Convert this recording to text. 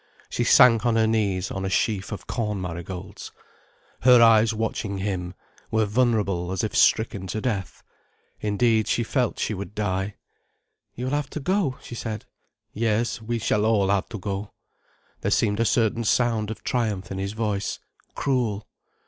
She sank on her knees on a sheaf of corn marigolds. Her eyes, watching him, were vulnerable as if stricken to death. Indeed she felt she would die. "You will have to go?" she said. "Yes, we shall all have to go." There seemed a certain sound of triumph in his voice. Cruel!